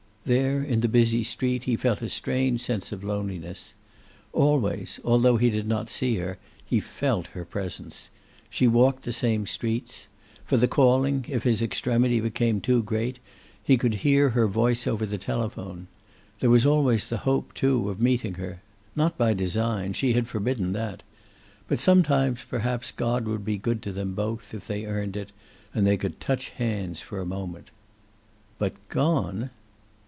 There in the busy street he felt a strange sense of loneliness. Always, although he did not see her, he felt her presence. She walked the same streets. For the calling, if his extremity became too great, he could hear her voice over the telephone. There was always the hope, too, of meeting her. Not by design. She had forbidden that. But some times perhaps God would be good to them both, if they earned it, and they could touch hands for a moment. But gone!